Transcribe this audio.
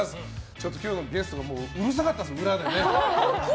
ちょっと今日のゲストがうるさかったですね、裏でね。